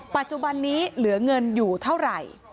ปัจจุบันนี้เหลือเงินอยู่เท่าไหร่